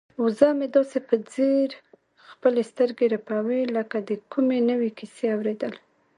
وزه مې داسې په ځیر خپلې سترګې رپوي لکه د کومې نوې کیسې اوریدل.